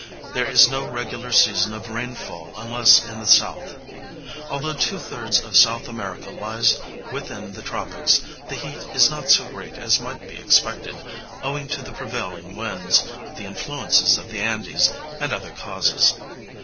There is no regular season of rainfall unless in the south. Although two thirds of S. America lies within the tropics the heat is not so great as might be expected, owing to the prevailing winds, the influences of the Andes, and other causes.